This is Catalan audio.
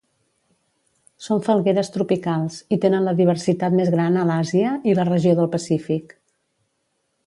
Són falgueres tropicals, i tenen la diversitat més gran a l'Àsia i la regió del Pacífic.